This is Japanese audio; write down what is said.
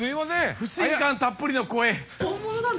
不信感たっぷりの声。